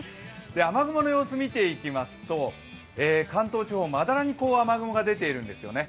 雨雲の様子見ていきますと関東地方まだらに雨雲が出ているんですよね。